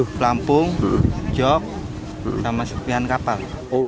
pelampung jok sama serpihan kapal